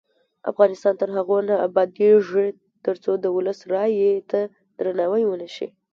افغانستان تر هغو نه ابادیږي، ترڅو د ولس رایې ته درناوی ونشي.